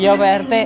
iya pak rt